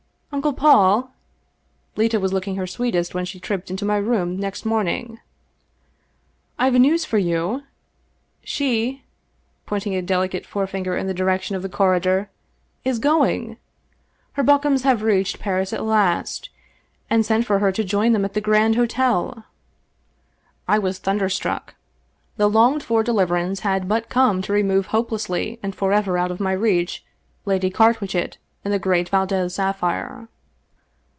" Uncle Paul !" Leta was looking her sweetest when she tripped into my room next morning. " IVe news for you. She," pointing a delicate forefinger in the direction of the corridor, " is going ! Her Bokums have reached Paris at last, and sent for her to join them at the Grand Hotel." , I was thunderstmck. The longed for deliverance had but come to remove hopelessly and forever out of my reach Lady Carwitchet and the great Valdez sapphire.